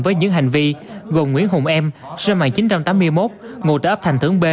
với những hành vi gồm nguyễn hùng em sơ mạng chín trăm tám mươi một ngụ trả ấp thành thưởng b